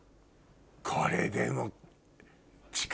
これでも。